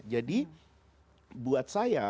jadi buat saya